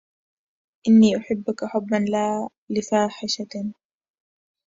إني أحبك حبا لا لفاحشة